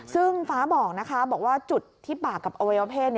ซึ่งฟ้าบอกนะคะบอกว่าจุดที่ปากกับอวัยวเพศ